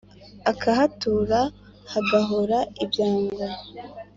akahatura hagahora ibyangwe